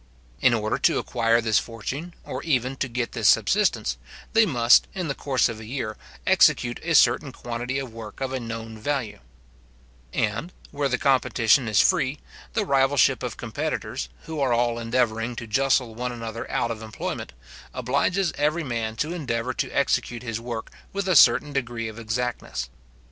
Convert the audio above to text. In order to acquire this fortune, or even to get this subsistence, they must, in the course of a year, execute a certain quantity of work of a known value; and, where the competition is free, the rivalship of competitors, who are all endeavouring to justle one another out of employment, obliges every man to endeavour to execute his work with a certain degree of exactness.